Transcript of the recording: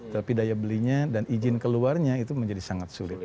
tapi daya belinya dan izin keluarnya itu menjadi sangat sulit